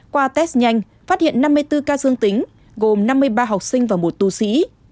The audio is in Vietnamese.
qua test nhanh phát hiện năm mươi bốn ca dương tính gồm năm mươi ba học sinh và một tu sĩ